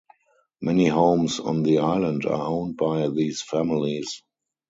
Many homes on the island are owned by these families.